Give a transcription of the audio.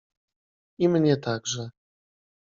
I mnie także.